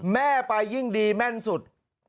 แม่ไปยิ่งดีแม่นสุด